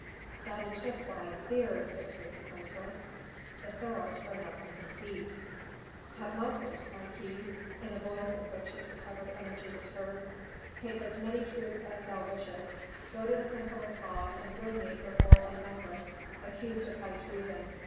"That is just what I feared," whispered Nikotris. The pharaoh sprang up from his seat. "Tutmosis!" cried he, in a voice in which his recovered energy was heard. "Take as many troops as thou wishest; go to the temple of Ptah and bring me Herhor and Mefres, accused of high treason.